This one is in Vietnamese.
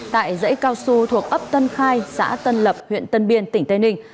tại dãy cao su thuộc ấp tân khai xã tân lập huyện tân biên tỉnh tây ninh